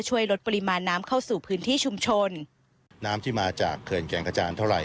ช่วยลดปริมาณน้ำเข้าสู่พื้นที่ชุมชนน้ำที่มาจากเขื่อนแก่งกระจานเท่าไห